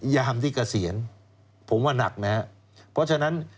ยามที่เกษียณผมว่านักนะครับเพราะฉะนั้น